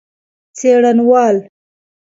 څېړنوال